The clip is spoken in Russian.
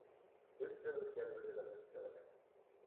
Выстрелы следовали за выстрелами.